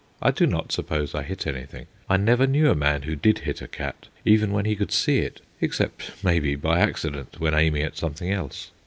I do not suppose I hit anything; I never knew a man who did hit a cat, even when he could see it, except, maybe, by accident when aiming at something else.